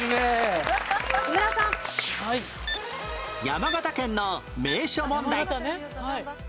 山形県の名所問題